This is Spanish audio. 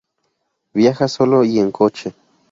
Viaja solo y en coche.